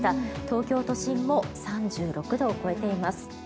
東京都心も３６度を超えています。